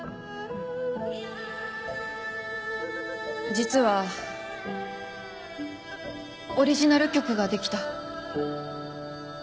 実はオリジナル曲ができた。